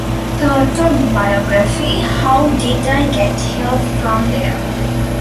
Her autobiography How Did I Get Here from There?